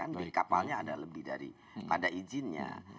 di kapalnya ada lebih dari ada izinnya